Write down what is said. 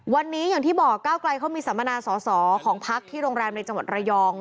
วันนี้อย่างที่บอกก้าวไกลเขามีสัมมนาสอสอของพักที่โรงแรมในจังหวัดระยอง